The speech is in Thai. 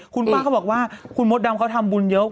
คุณป้าเขาบอกว่าคุณมดดำเขาทำบุญเยอะ